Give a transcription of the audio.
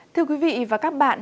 thưa quý vị và các bạn